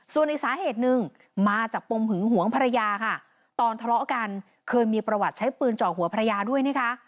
ส่วนอีกสาเหตุหนึ่งมาจากปมหึงหวงภรรยาค่ะตอนทะเลาะกันเคยมีประวัติใช้ปืนเจาะหัวภรรยาด้วยนะคะ